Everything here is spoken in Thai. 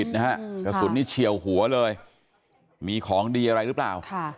กระสุนนี่เฉียวหัวเลยมีของดีอะไรหรือเปล่า